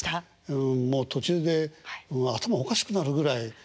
うんもう途中で頭おかしくなるぐらい。